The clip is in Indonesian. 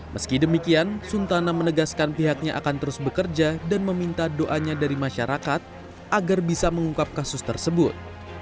meski demikian suntana menegaskan pihaknya akan terus bekerja dan meminta doanya dari masyarakat agar bisa mengungkap kasus tersebut